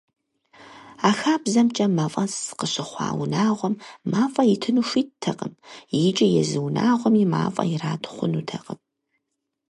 А хабзэмкӏэ, мафӏэс къыщыхъуа унагъуэм мафӏэ итыну хуиттэкъым, икӏи езы унагъуэми мафӏэ ират хъунутэкъым.